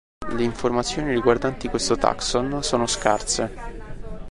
Le informazioni riguardanti questo taxon sono scarse.